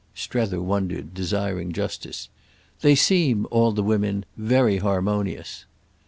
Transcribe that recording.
Strether wondered, desiring justice. "They seem—all the women—very harmonious."